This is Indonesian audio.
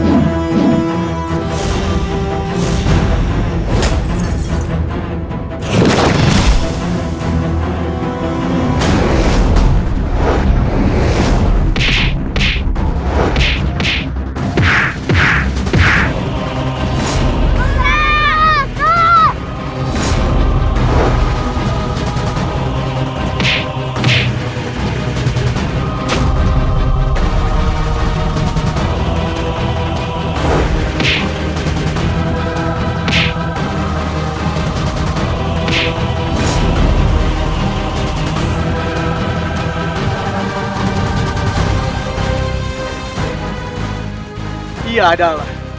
orang yang terbaik